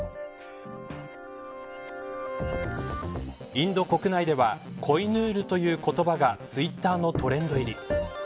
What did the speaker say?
インド国内ではコイヌールという言葉がツイッターのトレンド入り。